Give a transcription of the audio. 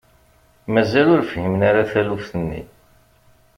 Mazal ur fhimen ara taluft-nni?